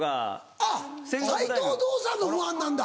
あっ斎藤道三のファンなんだ。